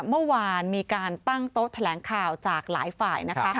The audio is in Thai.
เมื่อวานมีการตั้งโต๊ะแถลงข่าวจากหลายฝ่ายนะคะ